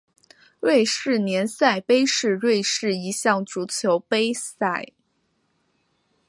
瑞士联赛杯是瑞士一项足球杯赛。